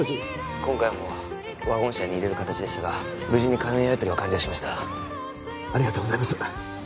今回もワゴン車に入れる形でしたが無事に金のやりとりは完了しましたありがとうございます